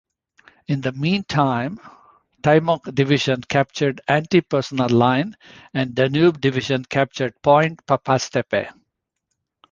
In the meantime Timok Division captured antipersonnel line and Danube Division captured point Papas-tepe.